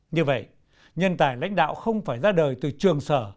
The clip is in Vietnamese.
như vậy nhân tài lãnh đạo không phải ra đời từ trường sở